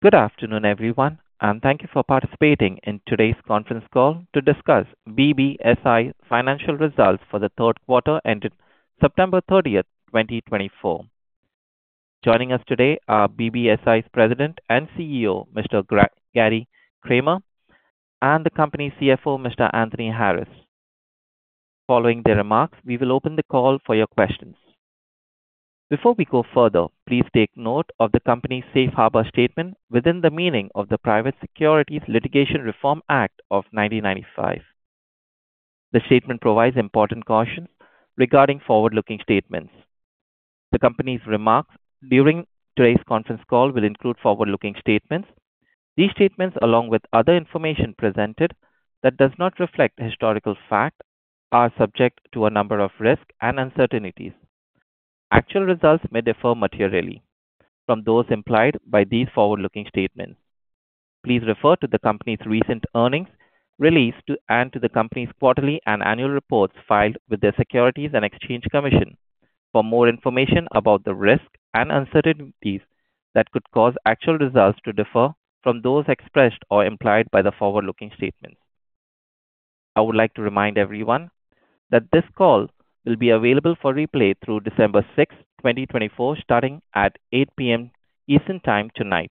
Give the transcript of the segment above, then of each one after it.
Good afternoon, everyone, and thank you for participating in today's conference call to discuss BBSI's financial results for the third quarter ended September 30, 2024. Joining us today are BBSI's President and CEO, Mr. Gary Kramer, and the company's CFO, Mr. Anthony Harris. Following their remarks, we will open the call for your questions. Before we go further, please take note of the company's safe harbor statement within the meaning of the Private Securities Litigation Reform Act of 1995. The statement provides important cautions regarding forward-looking statements. The company's remarks during today's conference call will include forward-looking statements. These statements, along with other information presented that does not reflect historical fact, are subject to a number of risks and uncertainties. Actual results may differ materially from those implied by these forward-looking statements. Please refer to the company's recent earnings release and to the company's quarterly and annual reports filed with the Securities and Exchange Commission for more information about the risks and uncertainties that could cause actual results to differ from those expressed or implied by the forward-looking statements. I would like to remind everyone that this call will be available for replay through December 6, 2024, starting at 8:00 P.M. Eastern Time tonight.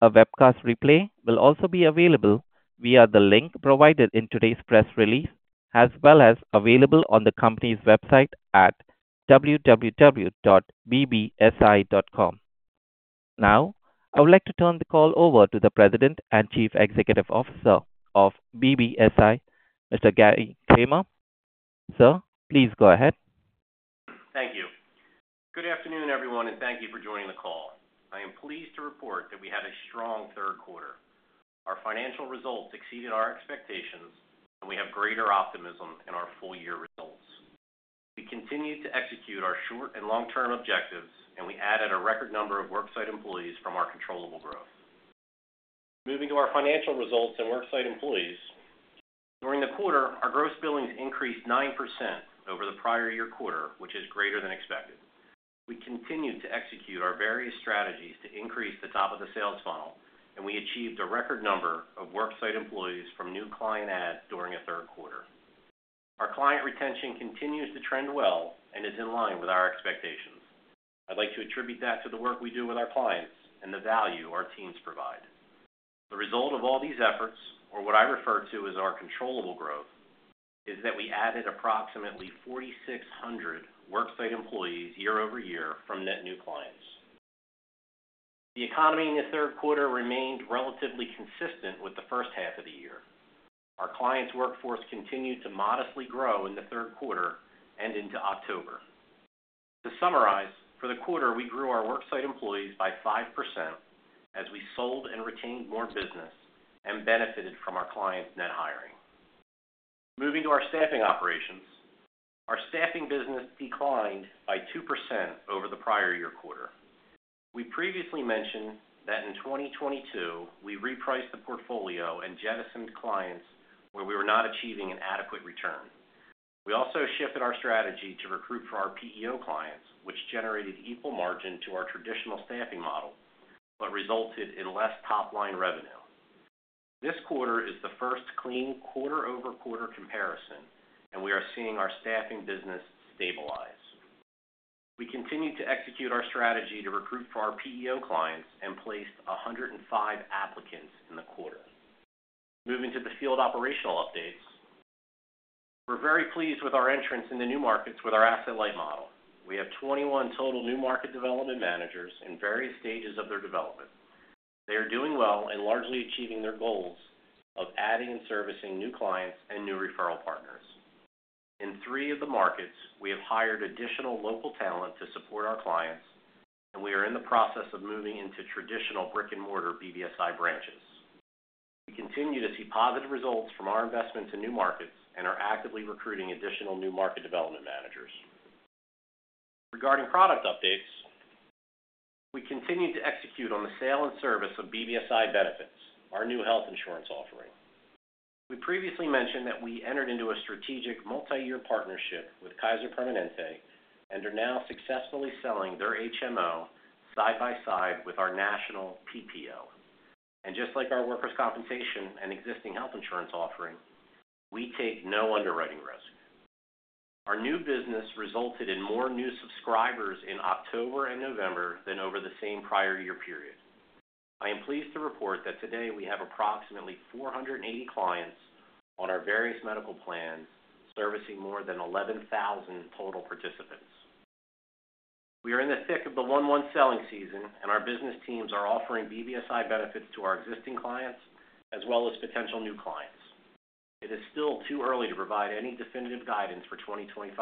A webcast replay will also be available via the link provided in today's press release, as well as available on the company's website at www.bbsi.com. Now, I would like to turn the call over to the President and Chief Executive Officer of BBSI, Mr. Gary Kramer. Sir, please go ahead. Thank you. Good afternoon, everyone, and thank you for joining the call. I am pleased to report that we had a strong third quarter. Our financial results exceeded our expectations, and we have greater optimism in our full-year results. We continued to execute our short and long-term objectives, and we added a record number of worksite employees from our controllable growth. Moving to our financial results and worksite employees, during the quarter, our gross billings increased 9% over the prior year quarter, which is greater than expected. We continued to execute our various strategies to increase the top of the sales funnel, and we achieved a record number of worksite employees from new client add during a third quarter. Our client retention continues to trend well and is in line with our expectations. I'd like to attribute that to the work we do with our clients and the value our teams provide. The result of all these efforts, or what I refer to as our controllable growth, is that we added approximately 4,600 worksite employees year over year from net new clients. The economy in the third quarter remained relatively consistent with the first half of the year. Our clients' workforce continued to modestly grow in the third quarter and into October. To summarize, for the quarter, we grew our worksite employees by 5% as we sold and retained more business and benefited from our clients' net hiring. Moving to our staffing operations, our staffing business declined by 2% over the prior year quarter. We previously mentioned that in 2022, we repriced the portfolio and jettisoned clients where we were not achieving an adequate return. We also shifted our strategy to recruit for our PEO clients, which generated equal margin to our traditional staffing model but resulted in less top-line revenue. This quarter is the first clean quarter-over-quarter comparison, and we are seeing our staffing business stabilize. We continued to execute our strategy to recruit for our PEO clients and placed 105 applicants in the quarter. Moving to the field operational updates, we're very pleased with our entrance in the new markets with our asset-light model. We have 21 total new market development managers in various stages of their development. They are doing well and largely achieving their goals of adding and servicing new clients and new referral partners. In three of the markets, we have hired additional local talent to support our clients, and we are in the process of moving into traditional brick-and-mortar BBSI branches. We continue to see positive results from our investment to new markets and are actively recruiting additional new market development managers. Regarding product updates, we continue to execute on the sale and service of BBSI Benefits, our new health insurance offering. We previously mentioned that we entered into a strategic multi-year partnership with Kaiser Permanente and are now successfully selling their HMO side by side with our national PPO, and just like our workers' compensation and existing health insurance offering, we take no underwriting risk. Our new business resulted in more new subscribers in October and November than over the same prior year period. I am pleased to report that today we have approximately 480 clients on our various medical plans servicing more than 11,000 total participants. We are in the thick of the one-month selling season, and our business teams are offering BBSI Benefits to our existing clients as well as potential new clients. It is still too early to provide any definitive guidance for 2025,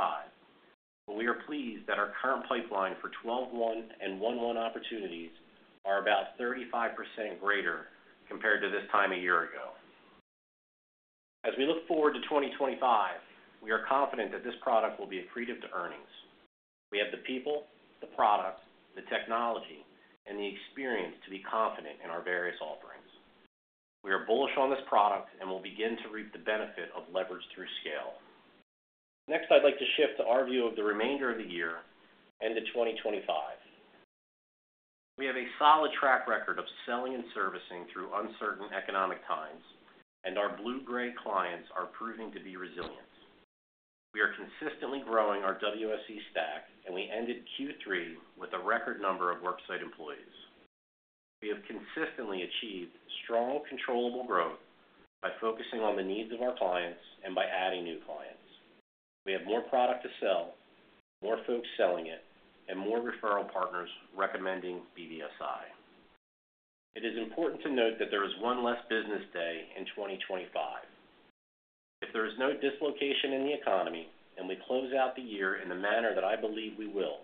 but we are pleased that our current pipeline for 12/1 and 1/1 opportunities are about 35% greater compared to this time a year ago. As we look forward to 2025, we are confident that this product will be accretive to earnings. We have the people, the product, the technology, and the experience to be confident in our various offerings. We are bullish on this product and will begin to reap the benefit of leverage through scale. Next, I'd like to shift to our view of the remainder of the year and to 2025. We have a solid track record of selling and servicing through uncertain economic times, and our blue-gray clients are proving to be resilient. We are consistently growing our WSE stack, and we ended Q3 with a record number of worksite employees. We have consistently achieved strong controllable growth by focusing on the needs of our clients and by adding new clients. We have more product to sell, more folks selling it, and more referral partners recommending BBSI. It is important to note that there is one less business day in 2025. If there is no dislocation in the economy and we close out the year in the manner that I believe we will,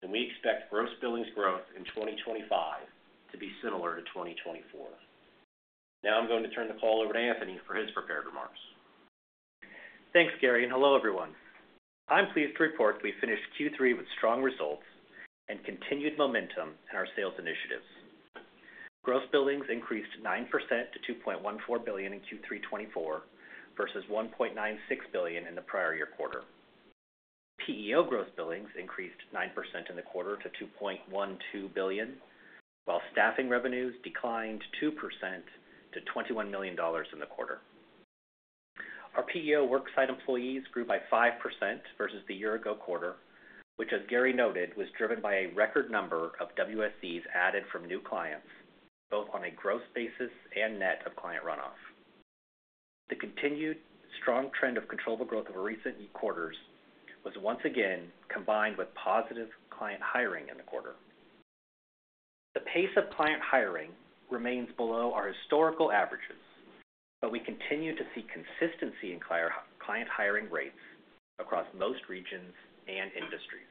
then we expect gross billings growth in 2025 to be similar to 2024. Now I'm going to turn the call over to Anthony for his prepared remarks. Thanks, Gary, and hello, everyone. I'm pleased to report we finished Q3 with strong results and continued momentum in our sales initiatives. Gross billings increased 9% to $2.14 billion in Q3 2024 versus $1.96 billion in the prior year quarter. PEO gross billings increased 9% in the quarter to $2.12 billion, while staffing revenues declined 2% to $21 million in the quarter. Our PEO worksite employees grew by 5% versus the year-ago quarter, which, as Gary noted, was driven by a record number of WSEs added from new clients, both on a gross basis and net of client runoff. The continued strong trend of controllable growth over recent quarters was once again combined with positive client hiring in the quarter. The pace of client hiring remains below our historical averages, but we continue to see consistency in client hiring rates across most regions and industries.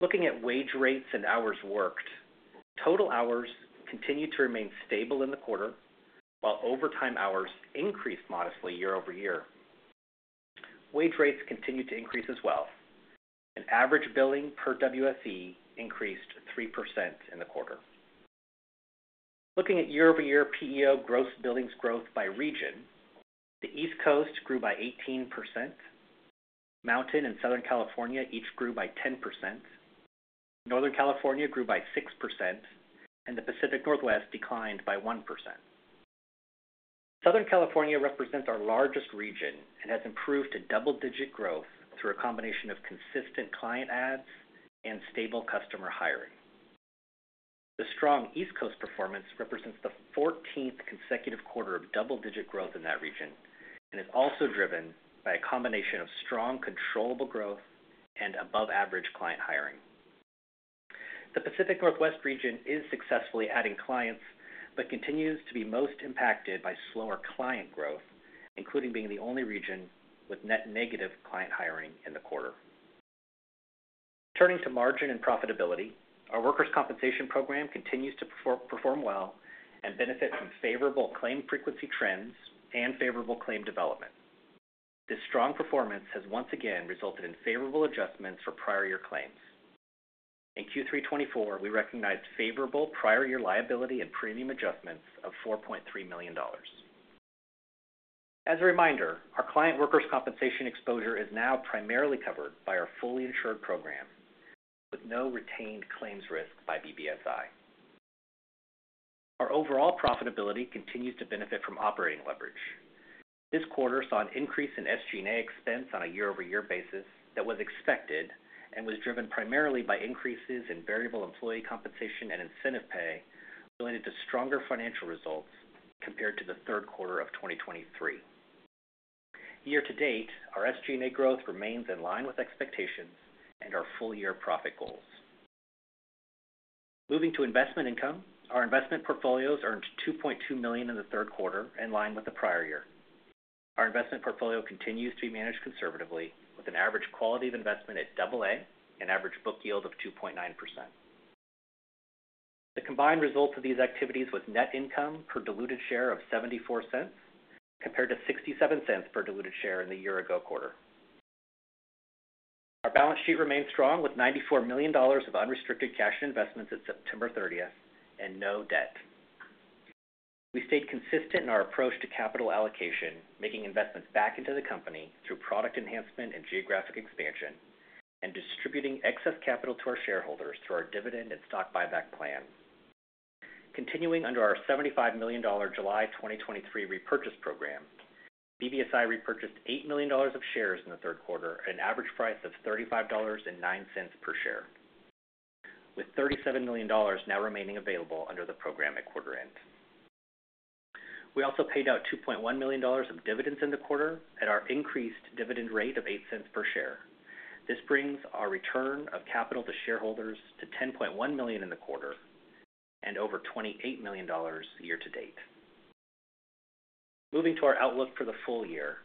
Looking at wage rates and hours worked, total hours continue to remain stable in the quarter, while overtime hours increased modestly year over year. Wage rates continue to increase as well. An average billing per WSE increased 3% in the quarter. Looking at year-over-year PEO gross billings growth by region, the East Coast grew by 18%, Mountain and Southern California each grew by 10%, Northern California grew by 6%, and the Pacific Northwest declined by 1%. Southern California represents our largest region and has improved to double-digit growth through a combination of consistent client adds and stable customer hiring. The strong East Coast performance represents the 14th consecutive quarter of double-digit growth in that region and is also driven by a combination of strong controllable growth and above-average client hiring. The Pacific Northwest region is successfully adding clients but continues to be most impacted by slower client growth, including being the only region with net negative client hiring in the quarter. Turning to margin and profitability, our workers' compensation program continues to perform well and benefit from favorable claim frequency trends and favorable claim development. This strong performance has once again resulted in favorable adjustments for prior-year claims. In Q3 2024, we recognized favorable prior-year liability and premium adjustments of $4.3 million. As a reminder, our client workers' compensation exposure is now primarily covered by our fully insured program, with no retained claims risk by BBSI. Our overall profitability continues to benefit from operating leverage. This quarter saw an increase in SG&A expense on a year-over-year basis that was expected and was driven primarily by increases in variable employee compensation and incentive pay related to stronger financial results compared to the third quarter of 2023. Year to date, our SG&A growth remains in line with expectations and our full-year profit goals. Moving to investment income, our investment portfolios earned $2.2 million in the third quarter in line with the prior year. Our investment portfolio continues to be managed conservatively, with an average quality of investment at AA and average book yield of 2.9%. The combined results of these activities with net income per diluted share of $0.74 compared to $0.67 per diluted share in the year-ago quarter. Our balance sheet remains strong with $94 million of unrestricted cash and investments at September 30th and no debt. We stayed consistent in our approach to capital allocation, making investments back into the company through product enhancement and geographic expansion, and distributing excess capital to our shareholders through our dividend and stock buyback plan. Continuing under our $75 million July 2023 repurchase program, BBSI repurchased $8 million of shares in the third quarter at an average price of $35.09 per share, with $37 million now remaining available under the program at quarter end. We also paid out $2.1 million of dividends in the quarter at our increased dividend rate of $0.08 per share. This brings our return of capital to shareholders to $10.1 million in the quarter and over $28 million year to date. Moving to our outlook for the full year,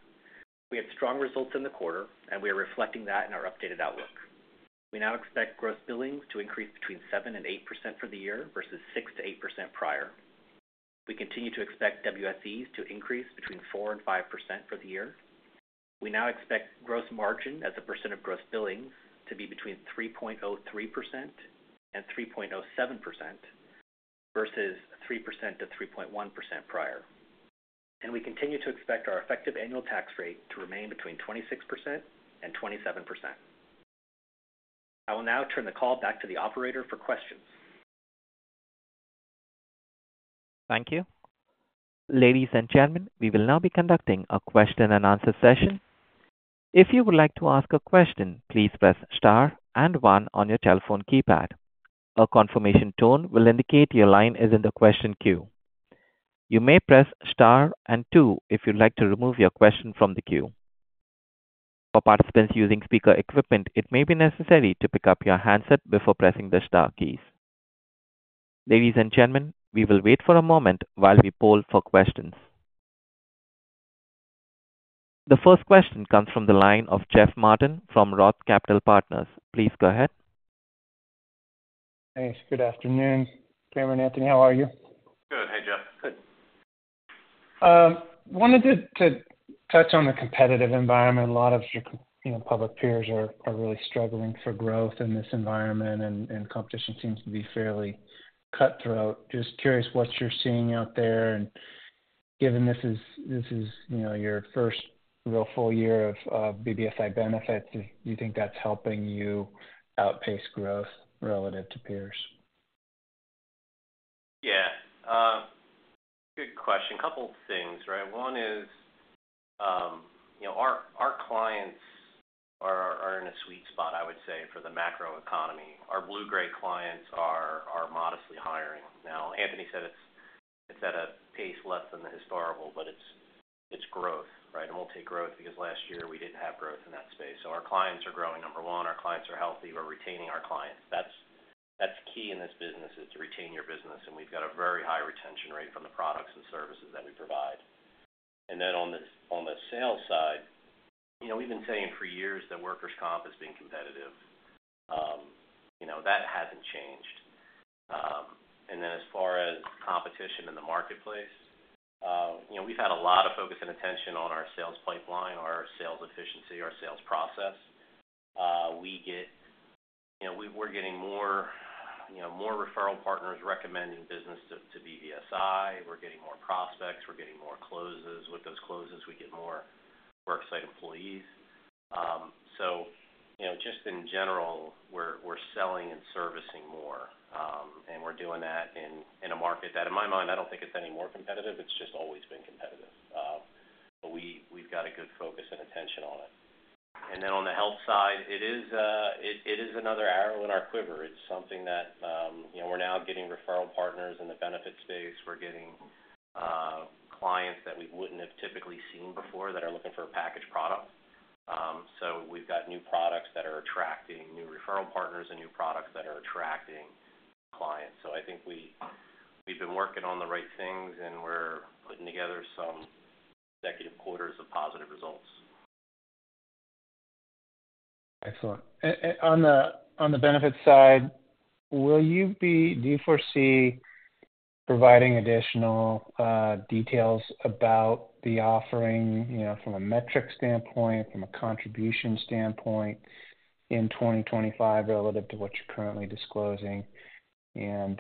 we had strong results in the quarter, and we are reflecting that in our updated outlook. We now expect gross billings to increase between 7 and 8% for the year versus 6%-8% prior. We continue to expect WSEs to increase between 4 and 5% for the year. We now expect gross margin as a percent of gross billings to be between 3.03% and 3.07% versus 3%-3.1% prior. And we continue to expect our effective annual tax rate to remain between 26% and 27%. I will now turn the call back to the operator for questions. Thank you. Ladies and gentlemen, we will now be conducting a question-and-answer session. If you would like to ask a question, please press star and one on your telephone keypad. A confirmation tone will indicate your line is in the question queue. You may press star and two if you'd like to remove your question from the queue. For participants using speaker equipment, it may be necessary to pick up your handset before pressing the star keys. Ladies and gentlemen, we will wait for a moment while we poll for questions. The first question comes from the line of Jeff Martin from Roth Capital Partners. Please go ahead. Thanks. Good afternoon, Gary and Anthony. How are you? Good. Hey, Jeff. Good. Wanted to touch on the competitive environment. A lot of your public peers are really struggling for growth in this environment, and competition seems to be fairly cutthroat. Just curious what you're seeing out there. And given this is your first real full year of BBSI Benefits, do you think that's helping you outpace growth relative to peers? Yeah. Good question. A couple of things, right? One is our clients are in a sweet spot, I would say, for the macro economy. Our blue-gray clients are modestly hiring. Now, Anthony said it's at a pace less than the historical, but it's growth, right? And we'll take growth because last year we didn't have growth in that space. So our clients are growing, number one. Our clients are healthy. We're retaining our clients. That's key in this business, is to retain your business, and we've got a very high retention rate from the products and services that we provide. And then on the sales side, we've been saying for years that workers' comp has been competitive. That hasn't changed. And then as far as competition in the marketplace, we've had a lot of focus and attention on our sales pipeline, our sales efficiency, our sales process. We're getting more referral partners recommending business to BBSI. We're getting more prospects. We're getting more closes. With those closes, we get more worksite employees. So just in general, we're selling and servicing more, and we're doing that in a market that, in my mind, I don't think it's any more competitive. It's just always been competitive, but we've got a good focus and attention on it, and then on the health side, it is another arrow in our quiver. It's something that we're now getting referral partners in the benefit space. We're getting clients that we wouldn't have typically seen before that are looking for a package product. So we've got new products that are attracting new referral partners and new products that are attracting clients, so I think we've been working on the right things, and we're putting together some consecutive quarters of positive results. Excellent. On the benefit side, will you foresee providing additional details about the offering from a metric standpoint, from a contribution standpoint in 2025 relative to what you're currently disclosing, and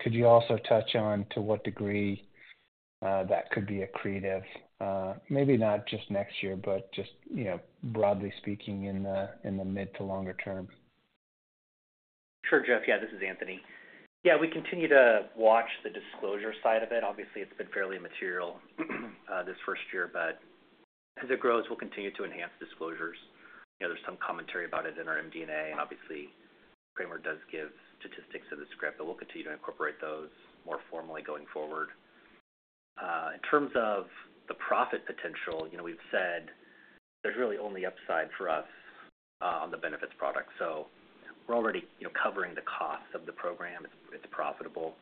could you also touch on to what degree that could be accretive? Maybe not just next year, but just broadly speaking in the mid to longer term. Sure, Jeff. Yeah, this is Anthony. Yeah, we continue to watch the disclosure side of it. Obviously, it's been fairly material this first year, but as it grows, we'll continue to enhance disclosures. There's some commentary about it in our MD&A, and obviously, Kramer does give statistics off the script, but we'll continue to incorporate those more formally going forward. In terms of the profit potential, we've said there's really only upside for us on the benefits product. So we're already covering the cost of the program. It's profitable,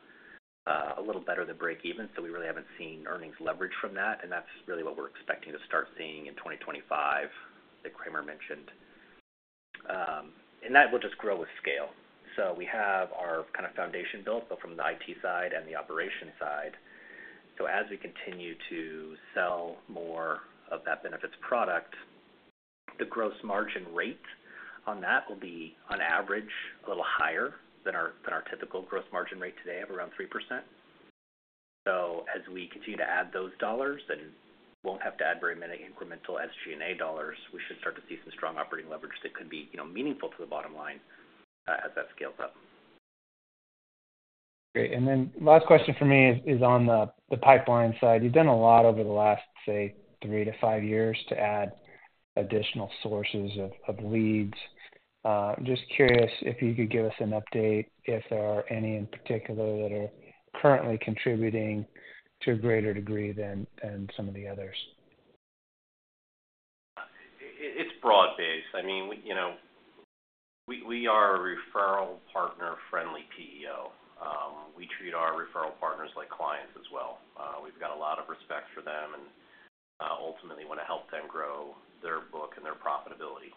a little better than break-even, so we really haven't seen earnings leverage from that. And that's really what we're expecting to start seeing in 2025 that Kramer mentioned. And that will just grow with scale. So we have our kind of foundation built, but from the IT side and the operation side. So as we continue to sell more of that benefits product, the gross margin rate on that will be, on average, a little higher than our typical gross margin rate today of around 3%. So as we continue to add those dollars and won't have to add very many incremental SG&A dollars, we should start to see some strong operating leverage that could be meaningful to the bottom line as that scales up. Great. And then last question for me is on the pipeline side. You've done a lot over the last, say, three to five years to add additional sources of leads. I'm just curious if you could give us an update if there are any in particular that are currently contributing to a greater degree than some of the others? It's broad-based. I mean, we are a referral partner-friendly PEO. We treat our referral partners like clients as well. We've got a lot of respect for them and ultimately want to help them grow their book and their profitability.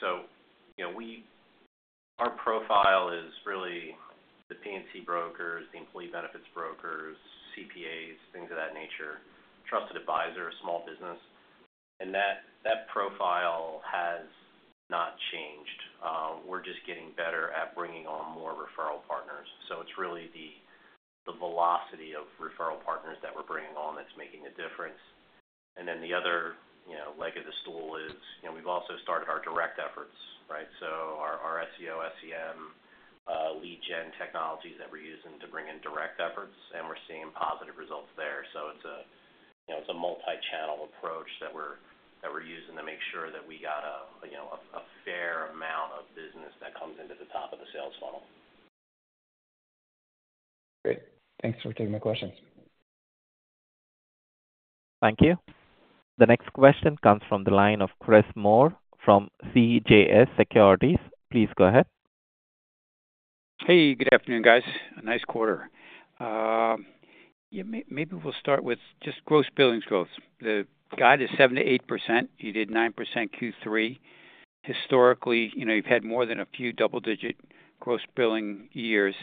So our profile is really the P&C brokers, the employee benefits brokers, CPAs, things of that nature, trusted advisor, small business. And that profile has not changed. We're just getting better at bringing on more referral partners. So it's really the velocity of referral partners that we're bringing on that's making a difference. And then the other leg of the stool is we've also started our direct efforts, right? So our SEO, SEM, lead gen technologies that we're using to bring in direct efforts, and we're seeing positive results there. So it's a multi-channel approach that we're using to make sure that we got a fair amount of business that comes into the top of the sales funnel. Great. Thanks for taking my questions. Thank you. The next question comes from the line of Chris Moore from CJS Securities. Please go ahead. Hey, good afternoon, guys. A nice quarter. Maybe we'll start with just gross billings growth. The guide is 7%-8%. You did 9% Q3. Historically, you've had more than a few double-digit gross billing years.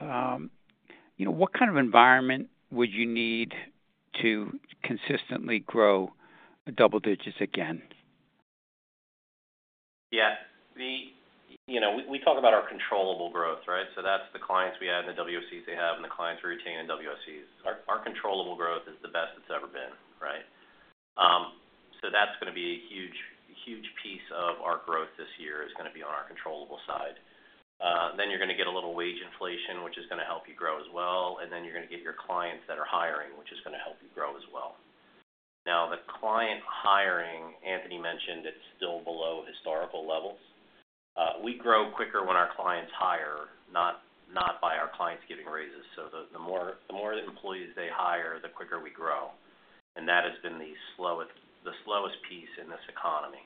What kind of environment would you need to consistently grow double digits again? Yeah. We talk about our controllable growth, right? So that's the clients we add in the WSEs they have and the clients we retain in WSEs. Our controllable growth is the best it's ever been, right? So that's going to be a huge piece of our growth this year is going to be on our controllable side. Then you're going to get a little wage inflation, which is going to help you grow as well. And then you're going to get your clients that are hiring, which is going to help you grow as well. Now, the client hiring, Anthony mentioned, it's still below historical levels. We grow quicker when our clients hire, not by our clients giving raises. So the more employees they hire, the quicker we grow. And that has been the slowest piece in this economy.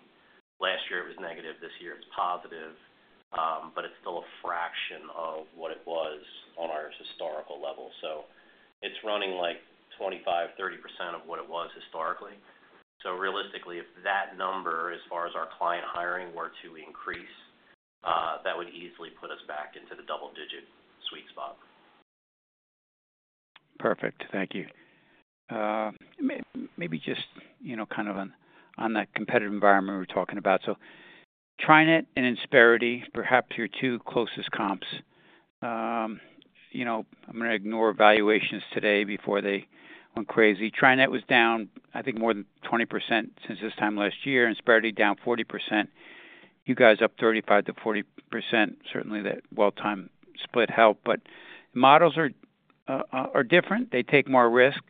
Last year, it was negative. This year, it's positive, but it's still a fraction of what it was on our historical level. So it's running like 25%-30% of what it was historically. So realistically, if that number, as far as our client hiring, were to increase, that would easily put us back into the double-digit sweet spot. Perfect. Thank you. Maybe just kind of on that competitive environment we were talking about. So TriNet and Insperity, perhaps your two closest comps. I'm going to ignore valuations today before they went crazy. TriNet was down, I think, more than 20% since this time last year. Insperity down 40%. You guys up 35%-40%. Certainly, that well-time split helped, but the models are different. They take more risk,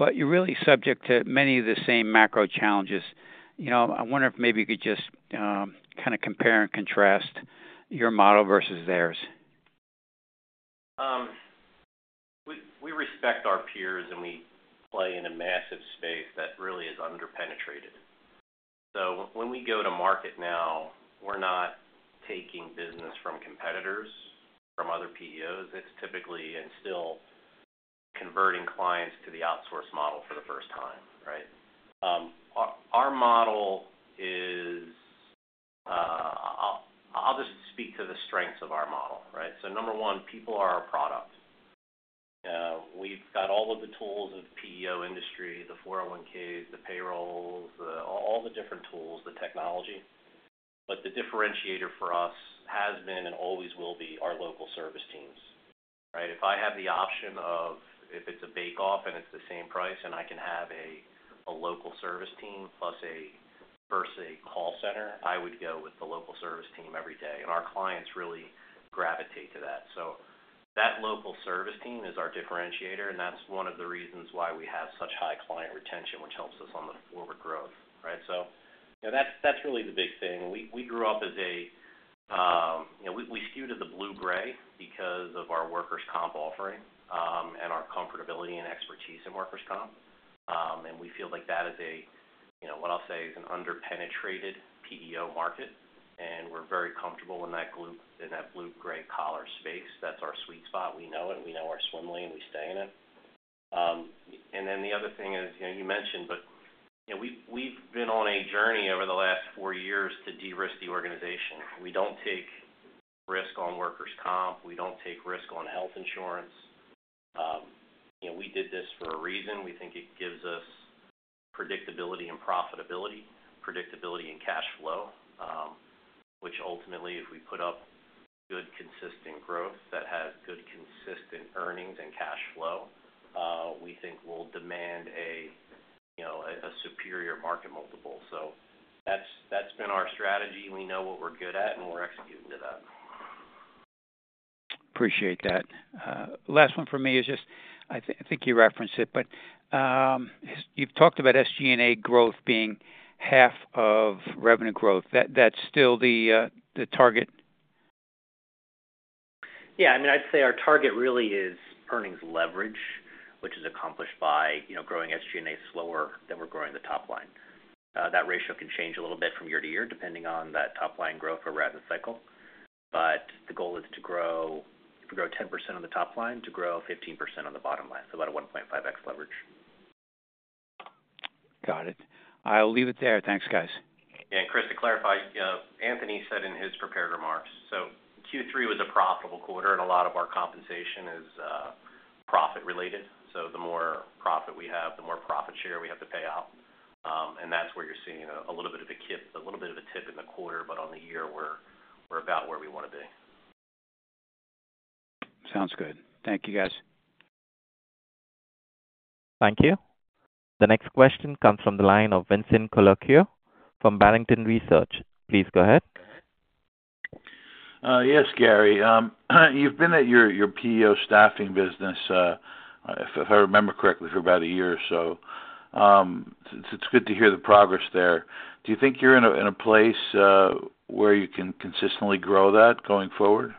but you're really subject to many of the same macro challenges. I wonder if maybe you could just kind of compare and contrast your model versus theirs. We respect our peers, and we play in a massive space that really is underpenetrated. So when we go to market now, we're not taking business from competitors, from other PEOs. It's typically and still converting clients to the outsource model for the first time, right? Our model is, I'll just speak to the strengths of our model, right? So number one, people are our product. We've got all of the tools of the PEO industry, the 401(k)s, the payrolls, all the different tools, the technology. But the differentiator for us has been and always will be our local service teams, right? If I have the option of if it's a bake-off and it's the same price and I can have a local service team versus a call center, I would go with the local service team every day. And our clients really gravitate to that. So that local service team is our differentiator, and that's one of the reasons why we have such high client retention, which helps us on the forward growth, right? So that's really the big thing. We grew up as we skewed to the blue-gray because of our workers' comp offering and our comfortability and expertise in workers' comp. And we feel like that is a what I'll say is an underpenetrated PEO market, and we're very comfortable in that blue-gray-collar space. That's our sweet spot. We know it. We know our swim lane. We stay in it. And then the other thing is you mentioned, but we've been on a journey over the last four years to de-risk the organization. We don't take risk on workers' comp. We don't take risk on health insurance. We did this for a reason. We think it gives us predictability and profitability, predictability and cash flow, which ultimately, if we put up good consistent growth that has good consistent earnings and cash flow, we think will demand a superior market multiple, so that's been our strategy. We know what we're good at, and we're executing to that. Appreciate that. Last one for me is just I think you referenced it, but you've talked about SG&A growth being half of revenue growth. That's still the target? Yeah. I mean, I'd say our target really is earnings leverage, which is accomplished by growing SG&A slower than we're growing the top line. That ratio can change a little bit from year to year depending on that top line growth or revenue cycle. But the goal is to grow if we grow 10% on the top line, to grow 15% on the bottom line. So about a 1.5x leverage. Got it. I'll leave it there. Thanks, guys. Yeah. And Chris, to clarify, Anthony said in his prepared remarks, so Q3 was a profitable quarter, and a lot of our compensation is profit-related. So the more profit we have, the more profit share we have to pay out. And that's where you're seeing a little bit of a dip in the quarter, but on the year, we're about where we want to be. Sounds good. Thank you, guys. Thank you. The next question comes from the line of Vincent Colicchio from Barrington Research. Please go ahead. Yes, Gary. You've been at your PEO staffing business, if I remember correctly, for about a year or so. It's good to hear the progress there. Do you think you're in a place where you can consistently grow that going forward?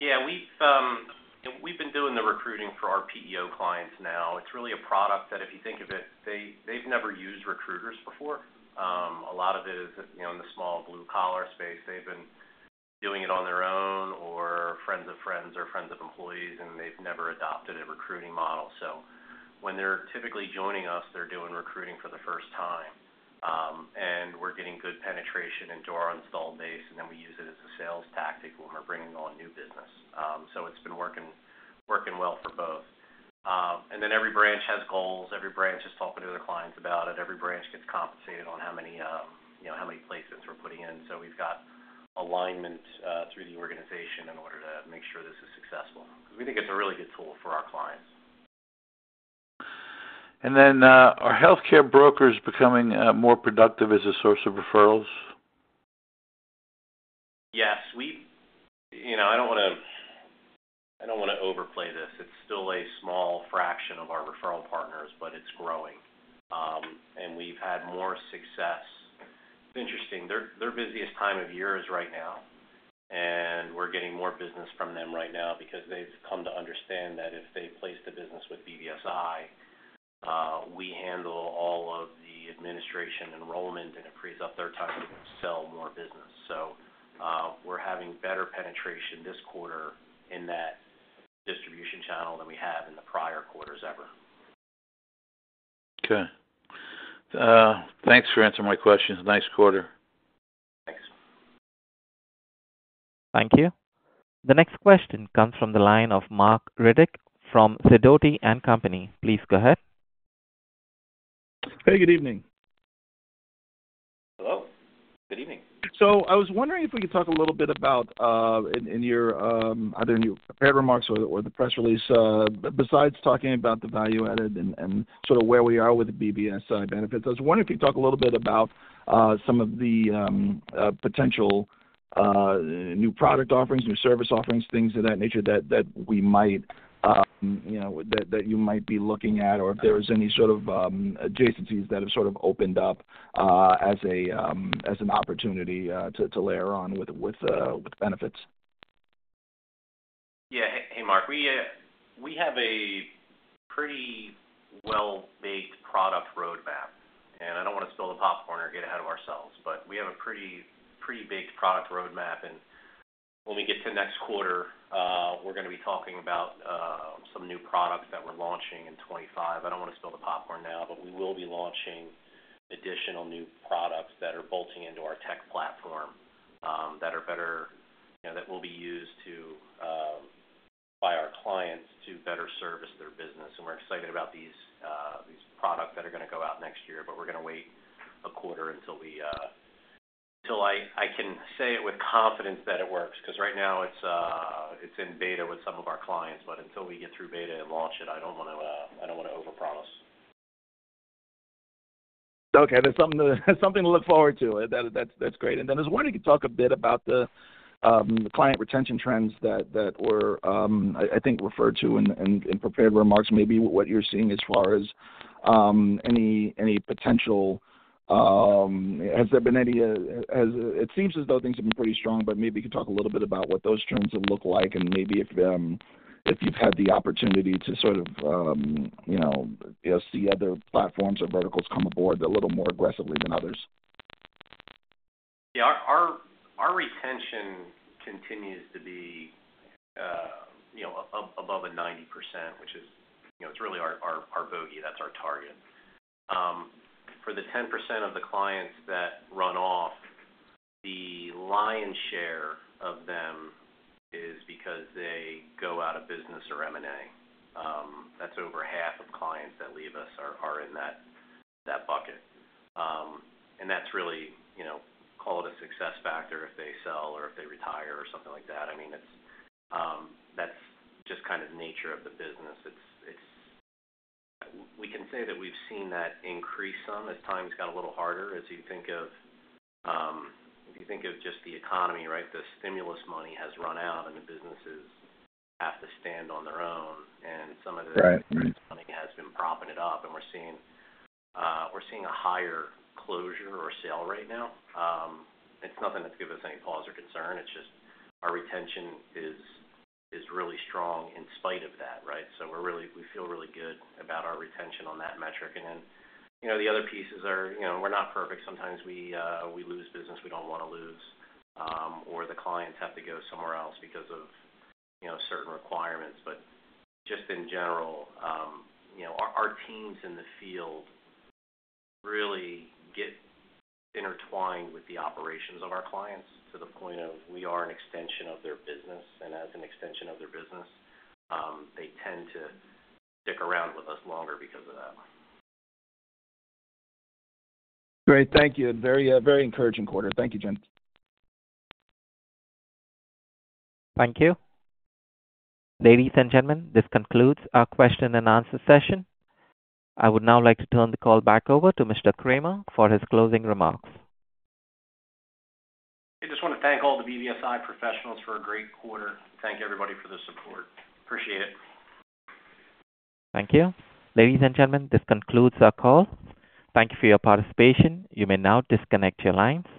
Yeah. We've been doing the recruiting for our PEO clients now. It's really a product that if you think of it, they've never used recruiters before. A lot of it is in the small blue-collar space. They've been doing it on their own or friends of friends or friends of employees, and they've never adopted a recruiting model, so when they're typically joining us, they're doing recruiting for the first time, and we're getting good penetration into our installed base, and then we use it as a sales tactic when we're bringing on new business, so it's been working well for both, and then every branch has goals. Every branch is talking to their clients about it. Every branch gets compensated on how many placements we're putting in. So we've got alignment through the organization in order to make sure this is successful because we think it's a really good tool for our clients. And then are healthcare brokers becoming more productive as a source of referrals? Yes. I don't want to overplay this. It's still a small fraction of our referral partners, but it's growing, and we've had more success. It's interesting. Their busiest time of year is right now, and we're getting more business from them right now because they've come to understand that if they place the business with BBSI, we handle all of the administrative enrollment, and it frees up their time to sell more business. So we're having better penetration this quarter in that distribution channel than we have in the prior quarters ever. Okay. Thanks for answering my questions. Nice quarter. Thanks. Thank you. The next question comes from the line of Marc Riddick from Sidoti & Company. Please go ahead. Hey, good evening. Hello. Good evening. I was wondering if we could talk a little bit about, either in your prepared remarks or the press release, besides talking about the value added and sort of where we are with BBSI benefits. I was wondering if you could talk a little bit about some of the potential new product offerings, new service offerings, things of that nature that you might be looking at or if there is any sort of adjacencies that have sort of opened up as an opportunity to layer on with benefits. Yeah. Hey, Marc. We have a pretty well-baked product roadmap. And I don't want to spill the popcorn or get ahead of ourselves, but we have a pretty baked product roadmap. And when we get to next quarter, we're going to be talking about some new products that we're launching in 2025. I don't want to spill the popcorn now, but we will be launching additional new products that are bolting into our tech platform that are better that will be used by our clients to better service their business. And we're excited about these products that are going to go out next year, but we're going to wait a quarter until I can say it with confidence that it works because right now it's in beta with some of our clients. But until we get through beta and launch it, I don't want to overpromise. Okay. That's something to look forward to. That's great, and then I was wondering if you could talk a bit about the client retention trends that were, I think, referred to in prepared remarks. Maybe what you're seeing as far as any potential. Has there been any? It seems as though things have been pretty strong, but maybe you could talk a little bit about what those trends look like and maybe if you've had the opportunity to sort of see other platforms or verticals come aboard a little more aggressively than others. Yeah. Our retention continues to be above a 90%, which is it's really our bogey. That's our target. For the 10% of the clients that run off, the lion's share of them is because they go out of business or M&A. That's over half of clients that leave us are in that bucket. And that's really called a success factor if they sell or if they retire or something like that. I mean, that's just kind of the nature of the business. We can say that we've seen that increase some as times got a little harder. As you think of if you think of just the economy, right, the stimulus money has run out, and the businesses have to stand on their own. And some of the business money has been propping it up. And we're seeing a higher closure or sale rate now. It's nothing that's given us any pause or concern. It's just our retention is really strong in spite of that, right? So we feel really good about our retention on that metric. And then the other pieces are we're not perfect. Sometimes we lose business we don't want to lose, or the clients have to go somewhere else because of certain requirements. But just in general, our teams in the field really get intertwined with the operations of our clients to the point of we are an extension of their business. And as an extension of their business, they tend to stick around with us longer because of that. Great. Thank you. Very encouraging quarter. Thank you, Jim. Thank you. Ladies and gentlemen, this concludes our question and answer session. I would now like to turn the call back over to Mr. Kramer for his closing remarks. I just want to thank all the BBSI professionals for a great quarter. Thank everybody for the support. Appreciate it. Thank you. Ladies and gentlemen, this concludes our call. Thank you for your participation. You may now disconnect your lines.